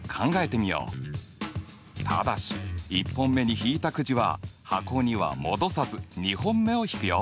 ただし１本目に引いたくじは箱には戻さず２本目を引くよ。